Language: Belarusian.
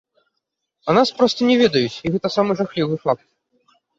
А нас проста не ведаюць, і гэта самы жахлівы факт.